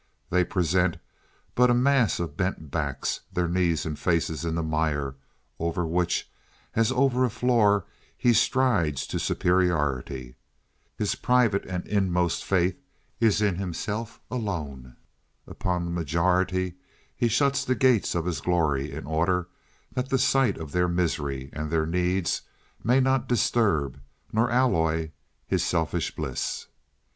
They present but a mass of bent backs, their knees and faces in the mire, over which as over a floor he strides to superiority. His private and inmost faith is in himself alone. Upon the majority he shuts the gates of his glory in order that the sight of their misery and their needs may not disturb nor alloy his selfish bliss.